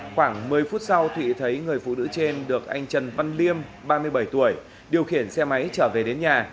khoảng một mươi phút sau thụy thấy người phụ nữ trên được anh trần văn liêm ba mươi bảy tuổi điều khiển xe máy trở về đến nhà